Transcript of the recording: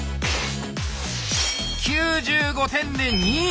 ９５点で２位。